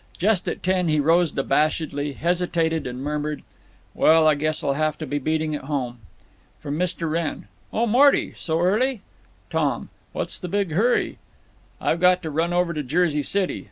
Just at ten he rose abashedly, hesitated, and murmured, "Well, I guess I'll have to be beating it home." From Mr. Wrenn: "Oh, Morty! So early?" Tom: "What's the big hurry?" "I've got to run clear over to Jersey City."